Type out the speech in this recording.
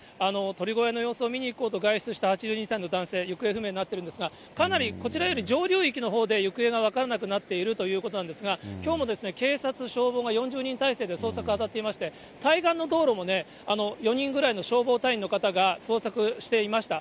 鶏小屋の様子を見にいこうと外出した８２歳の男性、行方不明になっているんですが、かなり、こちらより上流域のほうで行方が分からなくなっているということなんですが、きょうも警察、消防が４０人態勢で捜索当たっていまして、対岸の道路もね、４人ぐらいの消防隊員の方が捜索していました。